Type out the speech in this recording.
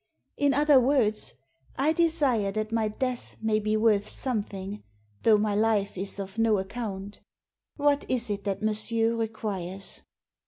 In other words, I desire that my death may be worth something, though my life is of no account What is it that monsieur requires